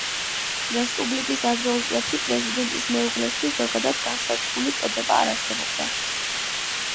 რესპუბლიკის ადრეულ წლებში პრეზიდენტის მეუღლესთვის ზოგადად განსაზღვრული წოდება არ არსებობდა.